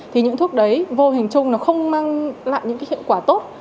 thì những thuốc đấy vô hình chung nó không mang lại những cái hiệu quả tốt